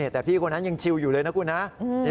แต่พี่คนนั้นยังชิวอยู่เลยนะคุณนะ